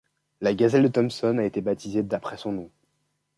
La gazelle de Thomson a été baptisée d'après son nom.